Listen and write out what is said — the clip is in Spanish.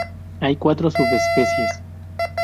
Hay cuatro subespecies.